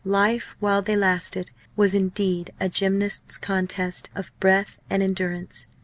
Life while they lasted was indeed a gymnast's contest of breath and endurance.